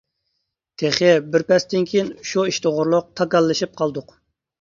تېخى بىر پەستىن كېيىن شۇ ئىش توغرىلىق تاكاللىشىپ قالدۇق.